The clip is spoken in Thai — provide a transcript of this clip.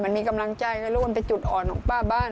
มันมีกำลังใจหรือว่ามันเป็นจุดอ่อนของป้าบ้าน